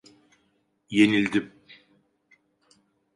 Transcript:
Yenildim.